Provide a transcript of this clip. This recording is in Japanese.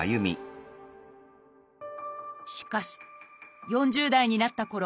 しかし４０代になったころ